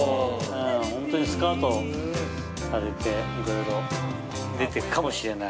ホントにスカウトされていろいろ出てくかもしれない。